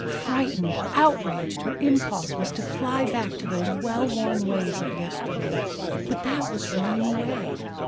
Frightened, outraged, her impulse was to fly back to those well worn ways of yesterday. But that was running away.